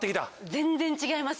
全然違います